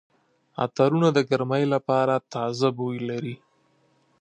عطرونه د ګرمۍ لپاره تازه بوی لري.